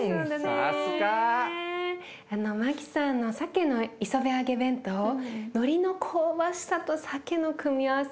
あのマキさんのさけの磯辺揚げ弁当のりの香ばしさとさけの組み合わせ